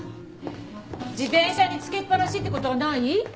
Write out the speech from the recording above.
自転車につけっぱなしって事はない？